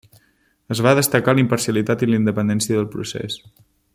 Es va destacar la imparcialitat i la independència del procés.